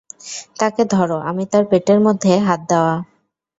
তাকে ধরো, আমি তার পেটের মধ্যে হাত দেয়া!